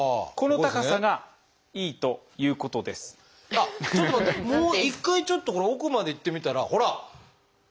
あっちょっと待って一回ちょっと奥までいってみたらほら！